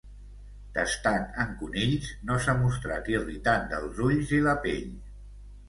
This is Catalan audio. Testat en conills, no s'ha mostrat irritant dels ulls i la pell.